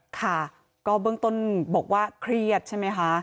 ค่ะก็เบื้องต้นบอกว่าเครียดใช่ไหมคะ